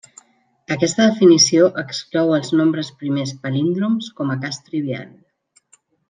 Aquesta definició exclou els nombres primers palíndroms com a cas trivial.